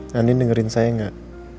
nanti dengerin saya gak